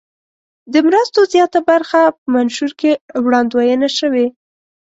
د مرستو زیاته برخه په منشور کې وړاندوینه شوې.